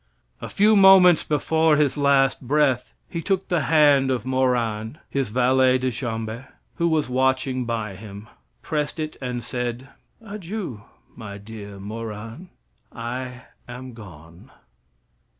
A few moments before his last breath he took the hand of Morand, his valet de chambee, who was watching by him, pressed it, and said: "Adieu, my dear Morand, I am gone."